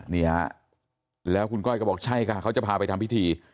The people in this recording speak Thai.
นี่ฮะแล้วคุณก้อยก็บอกใช่ค่ะเขาจะพาไปทำพิธี